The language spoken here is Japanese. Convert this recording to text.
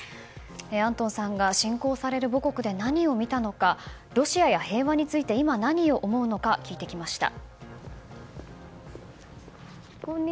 アントンさんが侵攻される母国で何を見たのかロシアや平和について今、何を思うのか聞いてきました。